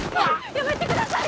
やめてください